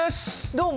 どうも！